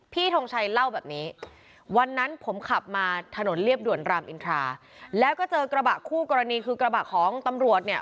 ทงชัยเล่าแบบนี้วันนั้นผมขับมาถนนเรียบด่วนรามอินทราแล้วก็เจอกระบะคู่กรณีคือกระบะของตำรวจเนี่ย